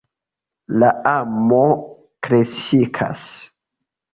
La amo kreskas.